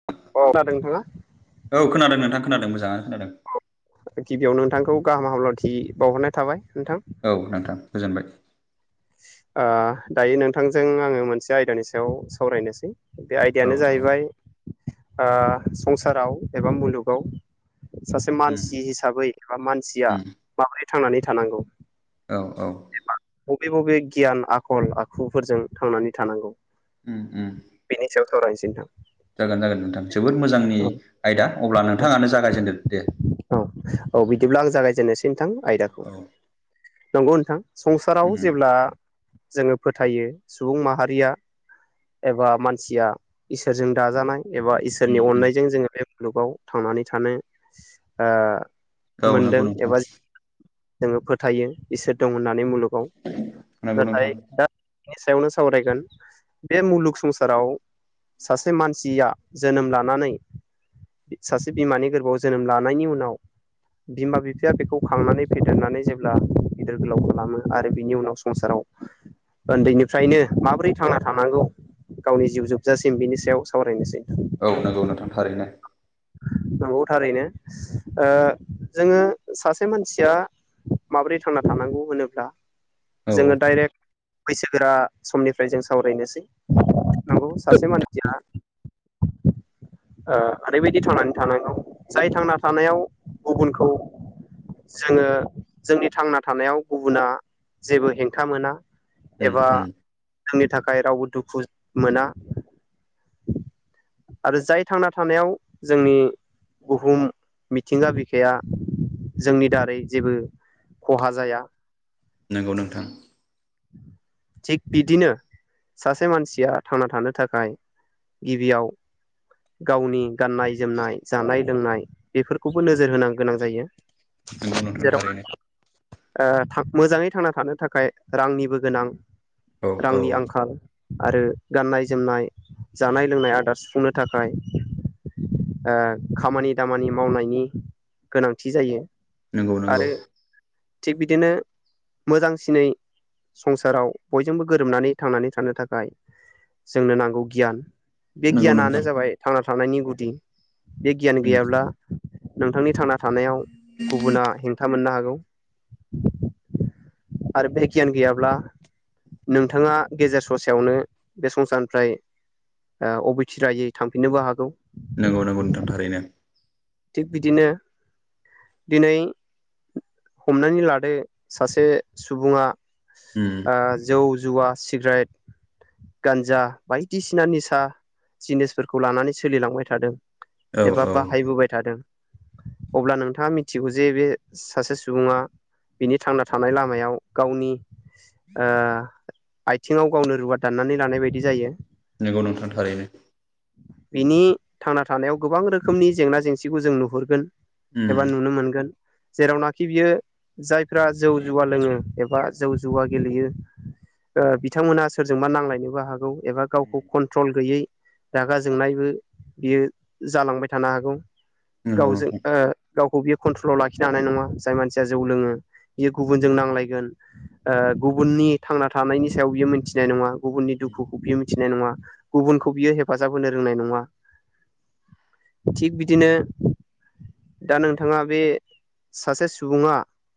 [inaudible] औ खोनादों नोंथाङा औ खोनादों नोंथां खोनादों मोजाङानो खोनादों गिबियाव नोंथांखौ गाहाम हामलायथि बावहरनाय थाबाय नोंथां औ नोंथां गोजोनबाय आ दायो नोंथांजों आङो मोनसे आयदानि सायाव सावरायनोसै बे औ आयदायानो औ जाहैबाय आ संसाराव एबा मुलुगाव सासे उम मानसि हिसाबै एबा मानसिया उम माबोरै थांनानै थानांगौ औ औ बबे बबे गियान आखल आखुफोरजों थांनानै थानांगौ उम उम बेनि सायाव सावरायनोसै नोंथां जागोन जागोन नोंथां जोबोद मोजांनि औ आयदा अब्ला नोंथाङानो जागायजेनदो दे औ औ बिदिब्ला आं जागायजेननोसै नोंथां औ आयदाखौ औ नंगौ नोंथां संसाराव उम जेब्ला जोङो फोथायो सुबुं माहारिया एबा मानसिया इसोरजों दाजानाय एबा उम इसोरनि उम अननायजों जोङो बे मुलुगाव थांनानै थानो ओ औ नंगौ मोनदों नोंथां एबा जोङो फोथायो इसोर दं होननानै मुलुगाव नंगौ नोंथां नाथाय दा बेनि सायावनो सावरायगोन बे मुलुग संसाराव सासे मानसिया जोनोम लानानै सासे बिमानि गोरबोआव जोनोम लानायनि उनाव बिमा बिफाया बेखौ खांनानै फेदेरनानै जेब्ला गिदिर गोलाव खालामो आरो बिनि उनाव संसाराव ओन्दैनिफ्रायनो माब्रै थांना थानांगौ गावनि जिउ जोबजासिम बिनि सायाव सावरायनोसै नोंगौ नोंथां थारैनो नंगौ थारैनो ओ जोङो सासे मानसिया माब्रै थांना थानांगौ होनोब्ला औ जोङो डाइरेक्ट बैसोगोरा समनिफ्राय जों सावरायनोसै नंगौ सासे मानसिया [inaudible] ओ ओरैबायदि थांनानै थानांगौ जाय थांना थानायाव गुबुनखौ जोङो जोंनि थांना थानायाव गुबुना जेबो हेंथा मोना उम एबा उम जोंनि थाखाय रावबो दुखु मोना आरो जाय थांना थानायाव जोंनि बुहुम मिथिंगा बिखाया जोंनि दारै जेबो खहा जाया नोंगौ नोंथां [inaudible] थिग बिदिनो सासे मानसिया थांना थानो थाखाय गिबियाव गावनि गाननाय जोमनाय जानाय लोंनाय बेफोरखौबो नोजोर होनां गोनां जायो नोंगौ नोंथां जेराव थारैनो ओ थां मोजाङै थांना थानो थाखाय रांनिबो गोनां औ औ रांनि आंखाल आरो गाननाय जोमनाय जानाय लोंनाय आदार सुफुंनो थाखाय ओ खामानि दामानि मावनायनि गोनांथि जायो नंगौ नंगौ आरो थिग बिदिनो मोजांसिनै संसाराव बयजोंबो गोरोबनानै थांनानै थानो थाखाय जोंनो नांगौ गियान बे नंगौ नोंथां गियानानो जाबाय थांना थानायनि गुदि बे गियान उम गैयाब्ला नोंथांनि थांना थानायाव गुबुना हेंथा मोननो हागौ आरो बे गियान गैयाब्ला नोंथाङा गेजेर ससेयावनो बे संसानिफ्राय ओ अबेथिरायै थांफिननोबो हागौ नोंगौ नंमोंगौ नोंथां थारैनो थिग बिदिनो दिनै हमनानै लादो सासे सुबुङा उम ओ जौ जुवा सिग्राइद गानजा बायदिसिना निसा जिनिसफोरखौ लानानै सोलिलांबाय थादों औ एबा औ बाहायबोबाय थादों अब्ला नोंथाङा मिथिगौ जे बे सासे सुबुङा बिनि थांना थानाय लामायाव गावनि ओ आइथिङाव गावनो रुवा दाननानै लानाय बायदि जायो नंगौ नोंथां थारैनो बिनि थांना थानायाव गोबां रोखोमनि जेंना जेंसिखौ जों नुहुरगोन उम एबा नुनो मोनगोन जेरावनाखि बियो जायफ्रा जौ जुवा लोंङो एबा जौ जुवा गेलेयो बिथांमोना सोरजोंबा नांलायनोबो हागौ एबा गावखौ कन्ट्रल गैयै रागा जोंनायबो बियो जालांबाय थानो हागौ नंगौ गावजों नोंथां ओ गावखौ बियो कन्ट्रलाव लाखिनो हानाय नंङा जाय मानसिया जौ लोंङो बियो गुबुनजों नांलायगोन। गुबुननि थांना थानायनि सायाव बियो मोनथिनाय नंङा गुबुननि दुखुखौ बियो मिथिनाय नंङा गुबुनखौ बियो हेफाजाब होनो रोंनाय नंङा थिग बिदिनो दा नोंथांङा बे सासे सुबुंङा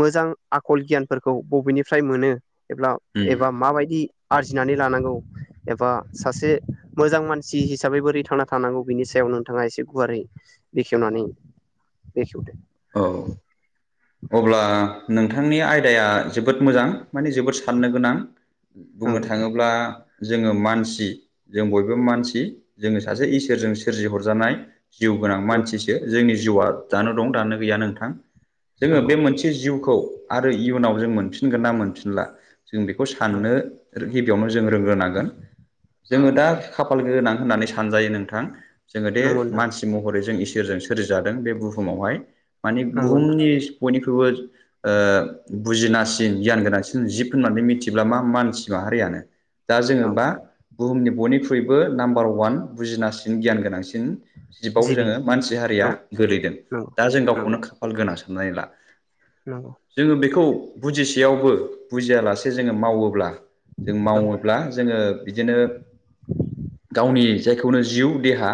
मोजां आखल गियानफोरखौ बबेनिफ्राय मोनो एब्ला उम एबा माबायदि आरजिनानै लानांगौ। एबा सासे मोजां मानसि हिसाबै बोरै थांना थानांगौ बिनि सायाव नोंथांङा एसे गुवारै बेखेवनानै बेखेवदो। औ अब्ला नोंथांनि आयदाया जोबोद मोजां माने जोबोद साननो गोनां बुंनो नंगौ नोंथां थांङोब्ला जोंङो मानसि जों बयबो मानसि जोंङो सासे इसोरजों सोरजिहरजानाय जिउ गोनां मानसिसो जोंनि जिउआ दानो दं दानो गैया नोंथां जोंङो बे नंगौ मोनसे बे जिउखौ आरो इयुनाव जों मोनफिनगोन ना मोनफिनला जों बेखौ साननो गिबियावनो जों रोंग्रोनांगोन जोंङो नंगौ दा खाफाल गोनां होननानै सानजायो नोंथां जोंङो दे नंगौ मानसि महरै जों इसोरजों सोरिजादों बे बुहुमावहाय माने नंगौ नोंथां नंगौ बुहुमनि बयनिख्रुइबो बुजिनासिन गियान गोनांसिन जिब होननानै मिथिब्ला मा मानसि माहारियानो दा नोंथां औ जोंङोबा बुहुमनि बयनिख्रुइबो नाम्बार वान बुजिनासिन गियान गोनांसिन जिबाव जिबि जोंङो मानसि हारिया औ गोलैदों नंगौ दा जों नंगौ गावखौनो खाफाल गोनां साननानै ला नंगौ जोङो बेखौ बुजिसेयावबो बुजियालासे जोंङो मावोब्ला जों नंगौ मावोब्ला जोंङो बिदिनो गावनि जायखौनो जिउ देहा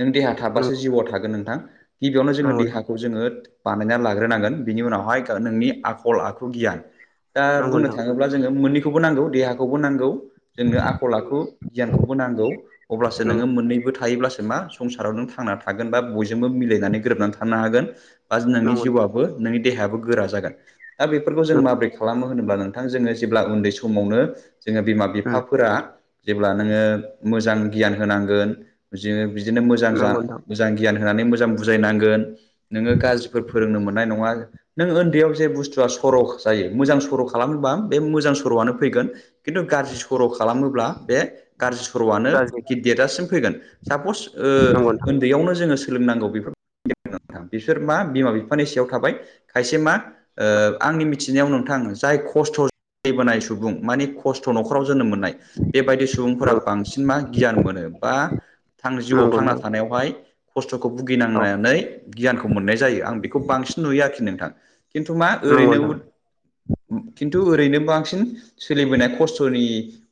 नों देहा नंगौ थाबासो जिउआव थागोन नोंथां गिबियावनो जोंङो नंगौ नोंथां देहाखौ जोंङो बानायना लाग्रोनांगोन बिनि उनावहाय नोंनि आखल आखु गियान दा बुंनो थांङोब्ला जोंङो मोननैखौबो नांगौ देहाखौबो नांगौ जोंनो आखल आखु गियानखौबो नांगौ अब्लासो नोंङो मोननैबो थायोब्लासो मा संसाराव नों थांना थागोन बा बयजोंबो मिलायनानै गोरोबनानै थानो हागोन बा नोंनि नंगौ जिउआ नोंनि देहायाबो गोरा जागोन दा बेफोरखौ जों नोंथां माबोरै खालामो होनोब्ला नोंथां जोंङो जेब्ला उन्दै समावनो जोंङो बिमा बि बिफाफोरा जेब्ला नोंङो मोजां गियान होनांगोन बिदिनो मोजां नंगौ नोंथां उम नंगौ नोंथां मोजां गियान होनानै मोजां बुजायनांगोन नोंङो गाज्रि फोरोंनो मोननाय नंङा नों उन्दैयाव जे बुस्थुआ सर' जायो मोजां सर' खालामोबा बे मोजां सर'आनो फैगोन। खिन्थु गाज्रि सर' खालामोब्ला बे गाज्रि सर'आनो गाज्रि गिदेरजासिम फैगोन सापस नंगौ नोंथां दैयावनो जोंङो सोलोंनांगौ बेफोर बिसोर मा बिमा बिफानि सायाव थाबाय खायसे मा आंनि मिथिनायाव नोंथां जाय खस्थ' जाबोनाय सुबुं माने खस्थ' न'खराव जोनोम मोननाय बेबायदि सुबुंफोरा नंगौ बांसिन मा गियान मोनो बा थां जिउआव नंगौ थांना नोंथां थानायावहाय खस्थ'खौ औ भुगिनांनानै गियानखौ मोननाय जायो। आं बेखौ बांसिन नुयो आरोखि नोंथां खिन्थु मा नंगौ ओरैनो नोंथां खिन्थु ओरैनो बांसिन सोलिबोनाय खस्थ'नि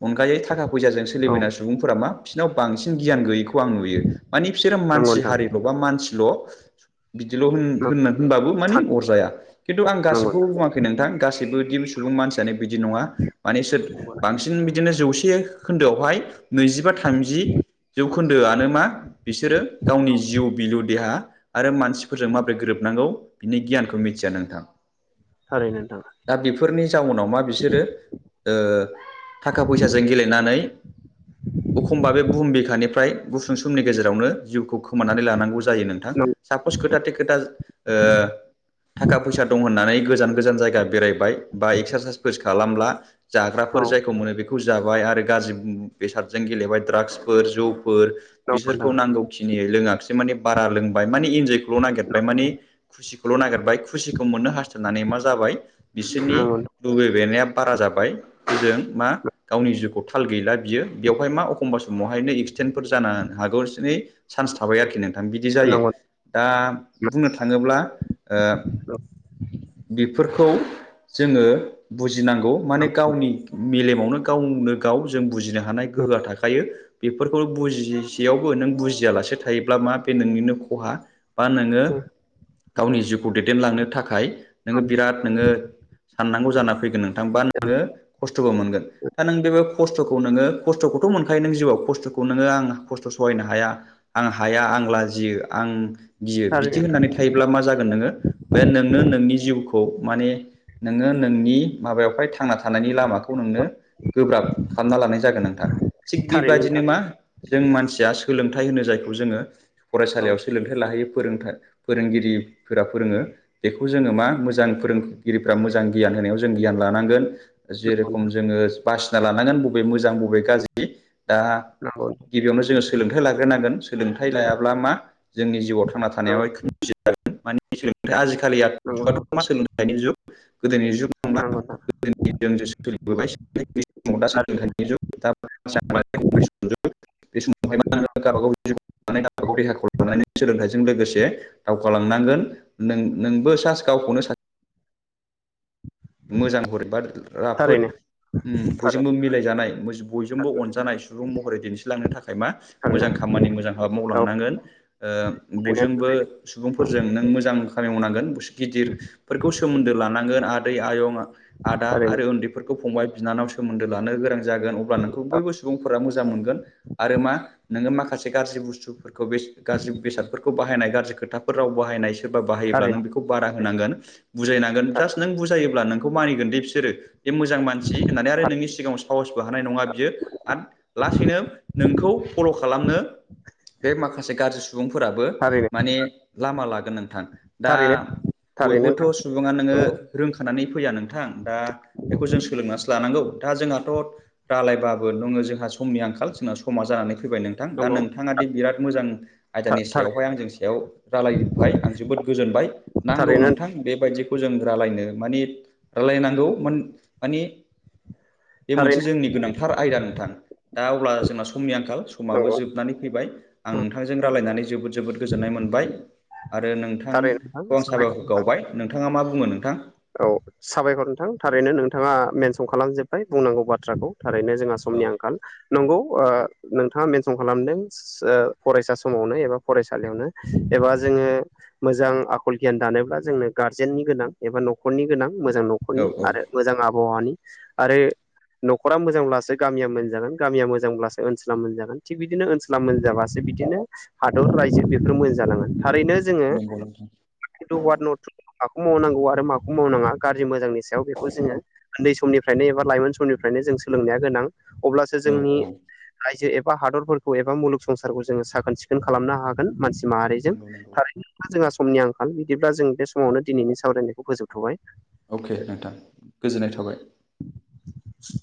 अनगायै थाखा फैसाजों औ सोलिबोनना सुबुंफोरा मा बिसिनाव बांसि गियान गयैखौ नोयो बिसोर नंगौ मानसि नोंथां हारिखबा' मानसिल बिदि होनबाबो मानि नंगौ अरजाया खिन्थु आं गासिखौबो बुङा खै नोंथां गासैबो दि सुबुं मानसियानो बिदि नङा माने सोर नोंथां बांसिन बिदिनो जौसे जौखोन्दोआवहाय नैजिबा थामजि जौखोन्दोआनो मा बिसोरो गावनि जिउ बिलु देहा आरो मानसिफोरजों माबोरै गोरोब नांगौ बिनि गियानखौ मिथिया नोंथां थारैनो नोंथां दा बेफोरनि जाउनाव मा बिसोरो ओ थाखा फैसाजों गेलेनानै एखमबा बे बुहुम बिखानिफ्राय गुसुं समनि गेजेरावनो जिउखौ खोमानानै लानांगौ जायो नोंथां सापस खोथाथे खोथा थाखा फैसा दं होननानै गोजान गोजान जायगा बेरायबाय बा इक्सासाइसफोर खालामब्ला नोंथां औ जाग्राफोर जायखौ मोनो बेखौ जा बाय आरो गाज्रि बेसादजों गेलेबाय द्रागसफोर जौफोर नंगौ बिसोरखौ नोंथां नांगौ खिनि लोङाखिसै माने बारा लोंबाय माने इन्जयखौल नागिरबाय माने खुसिखौल नागिरबाय खुसिखौ मोननो हास्थायनानै मा जाबाय बिसोरनि लुबैनाया बारा जाबाय हजों मा गावनि जिउखौ थाल गैला बियो बेवहाय मा एखम्बा समावहायनो एक्सटेन्टफोर जानो हागौसै चान्स थाबाय आरोखि नोंथां बिदि जायो नंगौ दा बुंनो थाङोब्ला ओ नंगौ बेफोरखौ जोङो बुजिनांगौ माने गावनि मेलेमावनो गावनो गाव जों बुजिनो हानाय गोहोआ थाखायो बेफोरखौ बुजिसेयावबो नों बुजियालासे थायोब्ला मा बे नोंनिनो खहा बा नोङो गावनि जिउखौ दैदेनलांनो थाखाय नोङो बिराद नोङो साननांगौ जाना फैगोन नों थां बा नोङो खस्थबो मोनगोन दा नों बेबो खस्थ'खौ नोङो खस्थ'खौथ' मोनखायो नों जिउआव खस्थ'खौ नोङो आं खस्थ' सहायनो हाया आं हाया आं लाजियो आं गियो बिदि थारैनो होननानै थायोब्ला मा जागोन नोङो बे नोंनो नोंनि जिउखौ माने नोङो नोंनि माबायावहाय थांना थानायनि लामाखौ नोंनो गोब्राब खालामना लानाय जागोन नोंथां थिग थारैनो बेबायदिनो नोंथां मा जों मानसिया सोलोंथाइ होनो जायखौ जोङो औ फरायसालियाव सोलोंथाइ लाहैयो फोरोंथाइ फोरोंगिरिफोरा फोरोङो बेखौ जोङो मा मोजां फोरोंगिरिफ्रा मोजां गियान होनायाव जों गियान लानांगोन जे नंगौ रोखम जोङो बासिना लानांगोन बबे मोजां बबे गाज्रि दा नंगौ गिबियावनो जोङो सोलोंथाइ लाग्रोनांगोन सोलोंथाइ लायाब्ला मा जोंनि जिउआव थांना नंगौ थानायाव जागोन माने सोलोंथाइ आजिखालि नंगौ जुगाथ सोलोंथाइनि जुग गोदोनि जुग नंला नंगौ नोंथां [unintelligible] [unintelligible] सोलोंथाइजों लोगोसे दावगालांनांगोन नों नोंबो गावखौनो सासे मोजां हरैबा राफोद थारैनो थारैनो बयजोंबो मिलायजानाय बयजोंबो अनजानाय सुबुं महरै दिन्थिलांनो थाखाय मा मोजां खामानि मोजां हाबा औ मावलांनांगोन ओ बयजोंबो सुबुंफोरजों नों मोजां खामानि मावनांगोन गिदिरफोरखौ सोमोन्दो लानांगोन आ आदै आयं आदा थारैनो आरो उन्दै फोरखौ फंबाय बिनानाव सोमोन्दो लानो गोरों जागोन अब्ला नोंखौ औ बयबो सुबुंफोरा मोजां मोनगोन आरो मा नोङो माखासे गाज्रि बुस्थु गाज्रि बेसादफोरखौ बाहायनाय गाज्रि खोथाफोर राव बाहायनाय सोरबा बाहायोब्ला नों थारैनो बेखौ बादा होनांगोन बुजायनांगोन जास थारैनो नों बुजायोब्ला नोंखौ मानिगोन दे बिसोरो बे मोजां मानसि होननानै आरो नोंनि सिगाङाव साहसबो हानाय नङा बियो आ लासैनो नोंखौ फल खालामनो बे माखासे गाज्रि सुबुंफोराबो थारैनो माने लामा लागोन नोंथां दा थारैनो बयबोथ नोंथां सुबुङा नोङो नंगौ रोंखानानै फैया नोंथां दा बेखौ जों सोलोंनासो लानांगौ दा जोंहाथ रायलायबाबो नों जोंहा समनि आंखाल जोंना समा जानानै फैबाय नों थां दा नंगौ नोंथाङादि बिराद मोजां आयदानि थारैनो सायावहाय आंजों सायाव रायलायबाय आं जोबोद गोजोनबाय नांगौ थारैनो नोंथां बेबायदि जों रालायनो माने रालायनांगौ माने बे नंगौ मोनसे जोंनि गोनांथार आयदा नोंथां दा अब्ला जोंना समनि आंखाल समाबो नंगौ जोबनानै फैबाय आं नोंथांजों रायलायनानै जोबोद जोबोद गोजोननाय मोनबाय आरो थारैनो नोंथां नोंथांखौ आं साबायखर बावबाय नोंथाङा मा बुङो नोंथां औ साबायखर नोंथां थारैनो नोंथाङा मेनसन खालामजोब्बाय बुंनांगौ बाथ्राखौ थारैनो जोंहा औ समनि आंखाल नंगौ नोंथाङा मेनसन खालामदों फरायसा समावनो एबा फरायसालियावनो एबा जोङो मोजां आखल गियान दानोब्ला जोंनो गारजेननि गोनां एबा न'खरनि गोनां मोजां औ न'खरनि औ आरो मोजां आबहावानि आरो नखरा मोजांब्लासो गामिया मोनजागोन गामिया मोजांब्लासो ओनसला मोनजागोन थिग बिदिनो ओनसोल मोजां जाबासो बिदिनो हादर रायजो बेफोर मोजां जालाङोन थारैनो जोङो नंगौ नोंथां [unintelligible] माखौ मावनांगौ आरो माखौ मावनाङा गाज्रि मोजांनि सायाव बेखौ जोङो उन्दै समनिफ्रायनो एबा लाइमोन समनिफ्रायनो जों सोलोंनाया गोनां अब्लासो औ जोंनि औ रायजो एबा हादरफोरखौ एबा मुलुग संसारखौ जोङो साखोन सिखोन खालामनो हागोन मानसि माहारिजों नंगौ नंगौ थारैनोब्ला जोंहा समनि आंखाल बिदिब्ला जों बे समावनो दिनैनि सावरायनायखौ फोजोबथ'बाय अके नोंथां गोजोननाय थाबाय [inaudible]